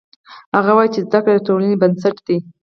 هغه وایي چې زده کړه د ټولنې بنسټ ده